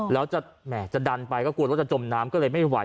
แล้วจะแหมจะดันไปก็กลัวรถจะจมน้ำก็เลยไม่ไหว